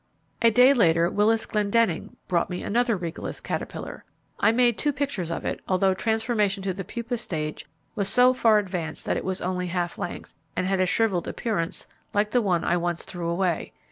A day later Willis Glendenning brought me another Regalis caterpillar. I made two pictures of it, although transformation to the pupa stage was so far advanced that it was only half length, and had a shrivelled appearance like the one I once threw away.